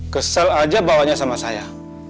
kesel aja bawanya sama saya